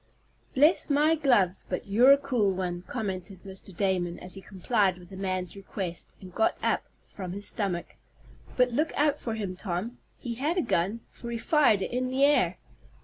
"Bless my gloves! But you're a cool one," commented Mr. Damon, as he complied with the man's request, and got up from his stomach. "But look out for him, Tom. He had a gun, for he fired it in the air."